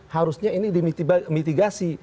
harusnya ini dimitigasi